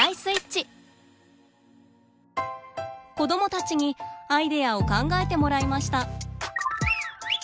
子どもたちにアイデアを考えてもらいました。